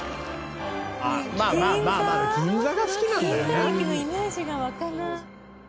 銀座駅のイメージが湧かない。